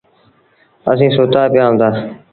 اسيٚݩ سُتآ پيٚآ هوندآ۔